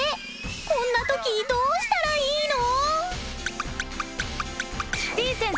こんな時どうしたらいいの！？